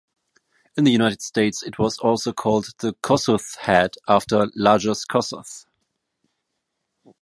In the United States it was also called the Kossuth hat, after Lajos Kossuth.